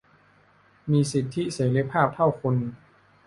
มีสิทธิเสรีภาพเท่าคุณ